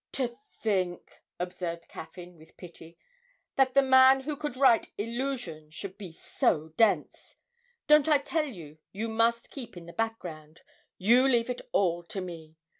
'To think,' observed Caffyn, with pity, 'that the man who could write "Illusion" should be so dense. Don't I tell you you must keep in the background? You leave it all to me.